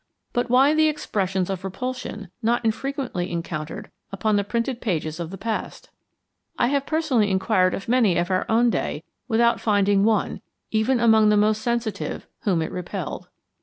But why the expressions of repulsion not infrequently encountered upon the printed pages of the past? I have personally inquired of many of our own day without finding one, even among the most sensitive, whom it repelled.